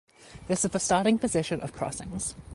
This is the starting position of Crossings.